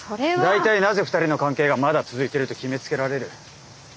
大体なぜ２人の関係がまだ続いてると決めつけられる。